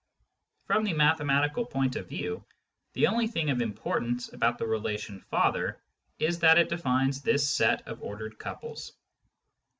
From the mathematical point of view, the only thing of importance about the relation " father " is that it defines this set of ordered couples.